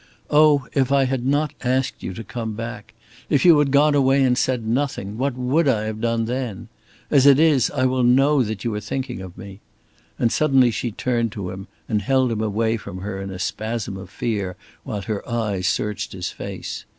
Oh, if I had not asked you to come back! If you had gone away and said nothing! What would I have done then? As it is, I will know that you are thinking of me " and suddenly she turned to him, and held him away from her in a spasm of fear while her eyes searched his face.